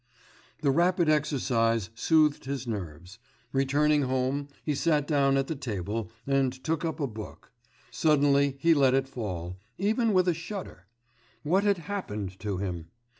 The rapid exercise soothed his nerves. Returning home he sat down at the table and took up a book; suddenly he let it fall, even with a shudder.... What had happened to him?